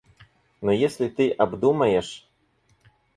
Но если ты обдумаешь...